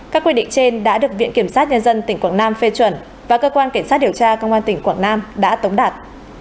các quy định trên đã được viện kiểm sát nhân dân tỉnh quảng nam phê chuẩn và cơ quan cảnh sát điều tra công an tỉnh quảng nam đã tống đạt